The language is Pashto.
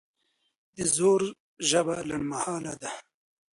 د زور ژبه لنډمهاله ده